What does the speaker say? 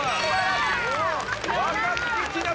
若槻千夏